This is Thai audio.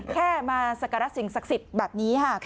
แค่มาสักการะสิ่งศักดิ์สิทธิ์แบบนี้ค่ะ